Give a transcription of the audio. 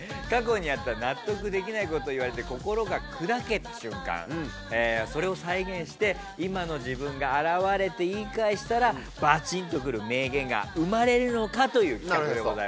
過去にあった納得できないことを言われて心が砕けた瞬間それを再現して今の自分が現れて言い返したらバチーンとくる名言が生まれるのか？という企画。